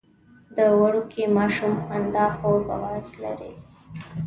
د وړوکي ماشوم خندا خوږ اواز لري.